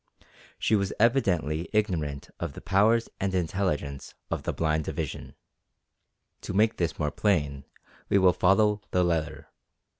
She was evidently ignorant of the powers and intelligence of the Blind Division. To make this more plain we will follow the letter.